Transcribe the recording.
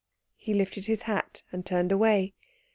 He lifted his hat and turned away.